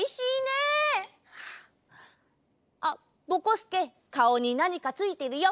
すけかおになにかついてるよ。